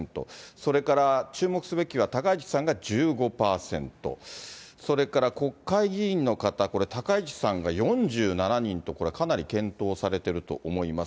それから、注目すべきは高市さんが１５％、それから国会議員の方、これ、高市さんが４７人とこれはかなり健闘されてると思います。